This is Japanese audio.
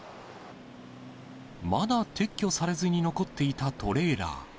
まだ撤去されずに残っていたトレーラー。